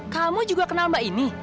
kamu juga kenal mbak ini